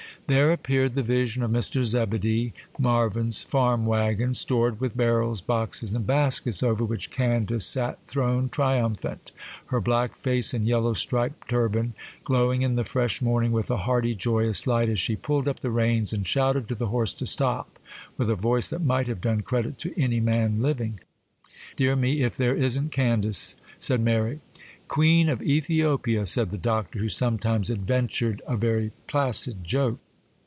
There appeared the vision of Mr. Zebedee Marvyn's farm waggon, stored with barrels, boxes, and baskets, over which Candace sat throned triumphant, her black face and yellow striped turban glowing in the fresh morning with a hearty, joyous light, as she pulled up the reins, and shouted to the horse to stop with a voice that might have done credit to any man living. 'Dear me, if there isn't Candace!' said Mary. 'Queen of Ethiopia,' said the Doctor, who sometimes adventured a very placid joke.